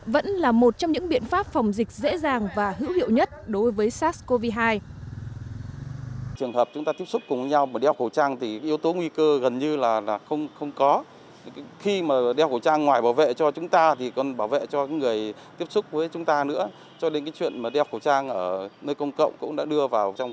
vẫn là một trong những biện pháp phòng dịch dễ dàng và hữu hiệu nhất đối với sars cov hai